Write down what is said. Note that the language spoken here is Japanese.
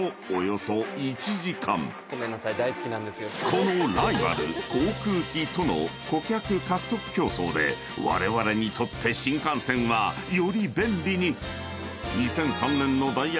［このライバル航空機との顧客獲得競争でわれわれにとって新幹線はより便利に］